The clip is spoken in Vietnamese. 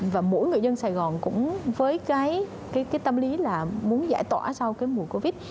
và mỗi người dân sài gòn cũng với cái tâm lý là muốn giải tỏa sau cái mùa covid